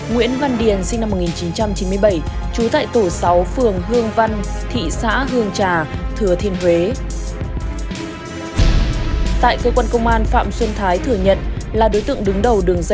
lê viết quý sinh năm một nghìn chín trăm chín mươi bốn chú tại số một mươi bảy nguyễn trãi kp tám phường một tp đông